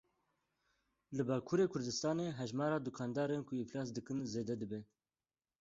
Li Bakurê Kurdistanê hejmara dukandarên ku îflas dikin zêde dibe.